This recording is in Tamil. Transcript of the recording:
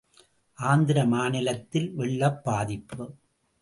ஆந்திர மாநிலத்தில் வெள்ளப் பாதிப்பு!